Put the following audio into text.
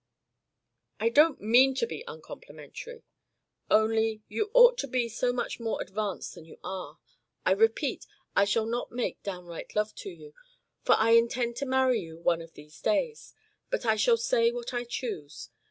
"I don't mean to be uncomplimentary. Only, you ought to be so much more advanced than you are. I repeat, I shall not make downright love to you, for I intend to marry you one of these days. But I shall say what I choose.